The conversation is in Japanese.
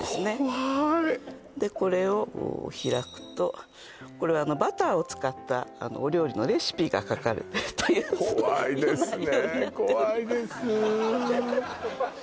怖いこれを開くとこれバターを使ったお料理のレシピが書かれているという怖いですね